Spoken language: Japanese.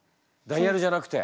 ダイヤルじゃなくて？